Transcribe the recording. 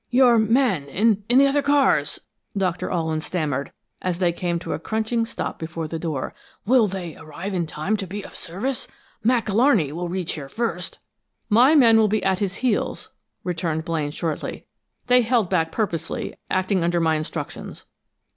"Your men, in the other cars " Doctor Alwyn stammered, as they came to a crunching stop before the door. "Will they arrive in time to be of service? Mac Alarney will reach here first " "My men will be at his heels," returned Blaine, shortly. "They held back purposely, acting under my instructions.